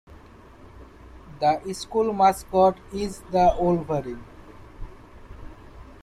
The school mascot is the Wolverine.